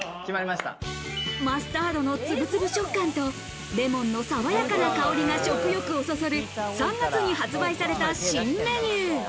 マスタードのつぶつぶ食感とレモンのさわやかな香りが食欲をそそる、３月に発売された新メニュー。